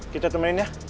kita temenin ya